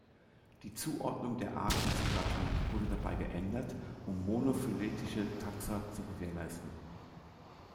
Die Zuordnung der Arten zu Gattungen wurde dabei geändert, um monophyletische Taxa zu gewährleisten.